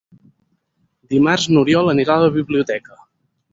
Dimarts n'Oriol anirà a la biblioteca.